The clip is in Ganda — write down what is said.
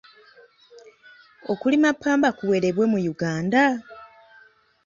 Okulima ppamba kuwerebwe mu Uganda?